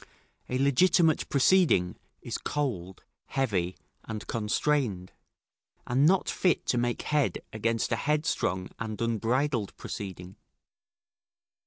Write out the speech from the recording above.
A legitimate proceeding is cold, heavy, and constrained, and not fit to make head against a headstrong and unbridled proceeding.